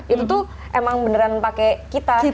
itu tuh emang beneran pakai kita